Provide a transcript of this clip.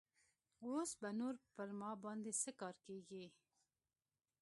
اوس به نور پر ما باندې څه کار کيږي.